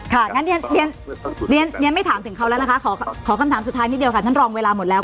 งั้นเรียนไม่ถามถึงเขาแล้วนะคะขอคำถามสุดท้ายนิดเดียวค่ะท่านรองเวลาหมดแล้ว